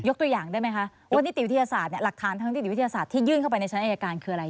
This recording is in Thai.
ตัวอย่างได้ไหมคะว่านิติวิทยาศาสตร์เนี่ยหลักฐานทางนิติวิทยาศาสตร์ที่ยื่นเข้าไปในชั้นอายการคืออะไร